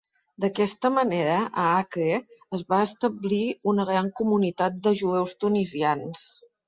D'aquesta manera, a Acre es va establir una gran comunitat de jueus tunisians.